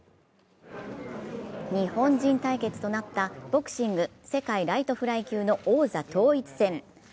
日本人対決となったボクシングセカイライトフライ級の王座統一戦。